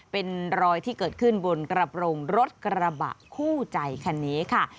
เป็นรอยที่เกิดขึ้นบนกระโปรงรถกระบะคู่ใจคันนี้ค่ะ